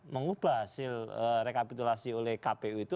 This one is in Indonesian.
mengubah hasil rekapitulasi oleh kpu itu